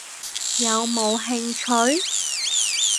有冇興趣？